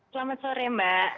selamat sore mbak